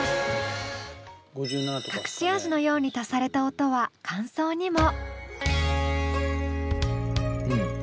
隠し味のように足された音は間奏にも。